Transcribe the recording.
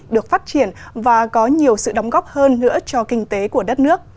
được phát triển và có nhiều sự đóng góp hơn nữa cho kinh tế của đất nước